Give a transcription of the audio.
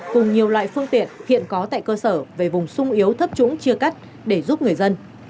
cùng nhiều loại phương tiện hiện có tại cơ sở về vùng sung yếu thấp trũng chia cắt để giúp người dân